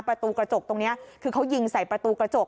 ประตูกระจกตรงนี้คือเขายิงใส่ประตูกระจก